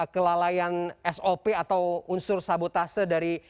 kelalaian sop atau unsur sabotase dari